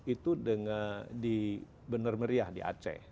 itu benar meriah di aceh